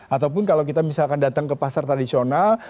ataupun kalau kita misalkan datang ke pasar tradisional